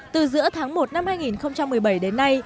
từ giữa tháng một năm hai nghìn một mươi bảy đến nay